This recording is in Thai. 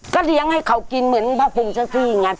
ก็เลี้ยงให้เขากินเหมือนพ่อฟุ้งเฉศรี่นะ